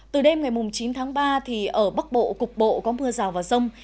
từ đêm ngày chín tháng ba thì ở bắc bộ cục bộ có mưa rào và rông